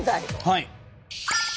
はい。